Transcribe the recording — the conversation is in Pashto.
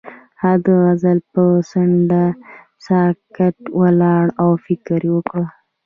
هغه د غزل پر څنډه ساکت ولاړ او فکر وکړ.